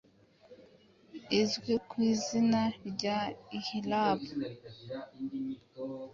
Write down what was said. izwi ku izina rya Ihlab